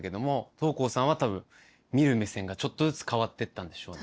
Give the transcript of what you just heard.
桃紅さんは多分見る目線がちょっとずつ変わっていったんでしょうね。